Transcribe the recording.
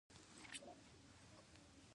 لوبیا باید ښه پخه شي.